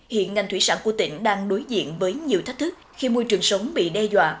hiện ngành thủy sản của tỉnh đang đối diện với nhiều thách thức khi môi trường sống bị đe dọa